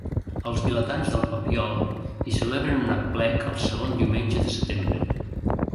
Els vilatans del Papiol hi celebren un aplec el segon diumenge de setembre.